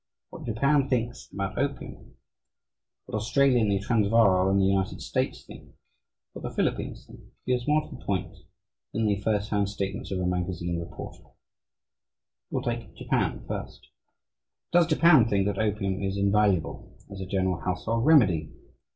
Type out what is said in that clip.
What Japan thinks about opium, what Australia and the Transvaal and the United States think, what the Philippines think, is more to the point than any first hand statements of a magazine reporter. We will take Japan first. Does Japan think that opium is invaluable as a general household remedy?